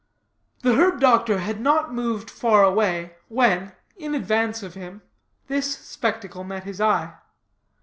The herb doctor had not moved far away, when, in advance of him, this spectacle met his eye.